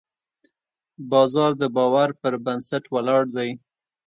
بازار د باور پر بنسټ ولاړ دی.